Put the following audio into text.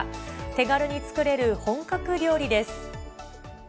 手軽に作れる本格料理です。